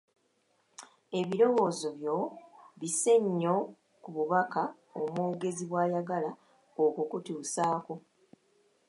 Ebirowoozo byo bisse nnyo ku bubaka omwogezi bw’ayagala okukutuusaako.